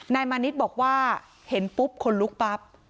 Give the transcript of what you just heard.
นายมานิดบอกว่าเห็นปุ๊บคนลุกปั๊บ